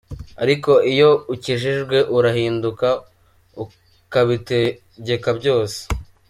Ariko iyo ukijijwe urahindukira ukabitegeka byose.